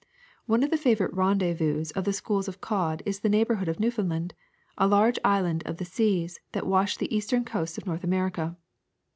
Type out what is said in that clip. "One of the favorite rendezvous of the schools of cod is the neighborhood of Newfoundland, a large island of the seas that wash the eastern coasts of North America.